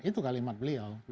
itu kalimat beliau